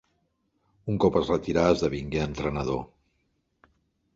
Un cop es retirà esdevingué entrenador.